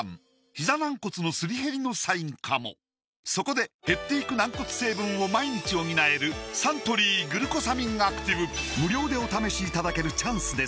ひざ軟骨のすり減りのサインかもそこで減っていく軟骨成分を毎日補える無料でお試しいただけるチャンスです